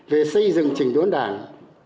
về xây dựng trình đốn đảng